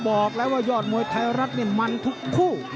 บอกแล้วว่ายอดมวยไทยรัฐนี่มันทุกคู่